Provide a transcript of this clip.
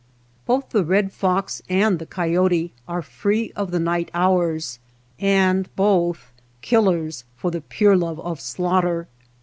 Both the red fox and the coyote are free of the night hours, and both killers for the pure love of slaughter.